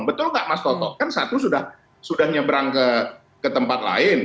betul nggak mas toto kan satu sudah nyebrang ke tempat lain